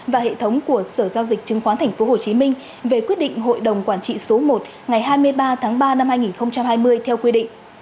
và hệ thống của sở giao dịch chứng khoán tp hcm về quyết định hội đồng quản trị số một ngày hai mươi ba tháng ba năm hai nghìn hai mươi theo quy định